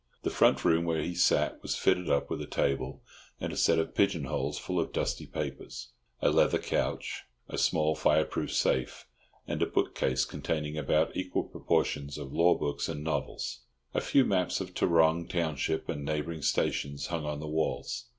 The front room, where he sat, was fitted up with a table and a set of pigeon holes full of dusty papers, a leather couch, a small fire proof safe, and a book case containing about equal proportions of law books and novels. A few maps of Tarrong township and neighbouring stations hung on the walls.